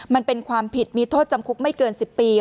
มันเป็นความผิดมีโทษจำคุกไม่เกิน๑๐ปี